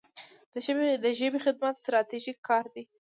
د ژبې خدمت ستراتیژیک کار دی.